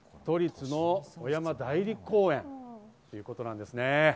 都立の小山内裏公園ということなんですね。